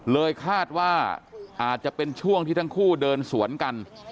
เลยคาดว่าอาจจะเป็นช่วงที่ทั้งคู่เดินสวนกัน